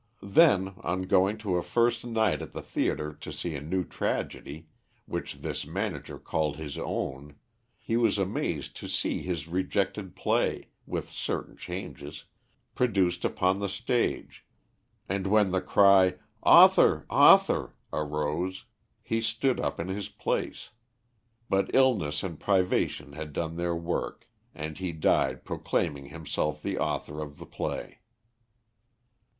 Then, on going to a first night at the theatre to see a new tragedy, which this manager called his own, he was amazed to see his rejected play, with certain changes, produced upon the stage, and when the cry "Author! Author!" arose, he stood up in his place; but illness and privation had done their work, and he died proclaiming himself the author of the play.